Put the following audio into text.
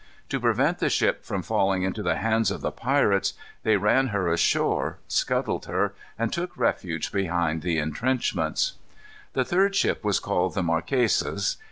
To prevent the ship from falling into the hands of the pirates they ran her ashore, scuttled her, and took refuge behind the intrenchments. The third ship was called the Marquesas.